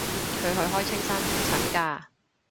佢去開青山覆診㗎